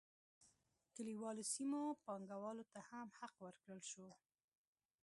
کلیوالو سیمو پانګوالو ته هم حق ورکړل شو.